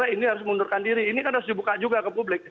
ini harus dibuka juga ke publik